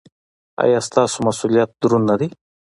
ایا ستاسو مسؤلیت دروند نه دی؟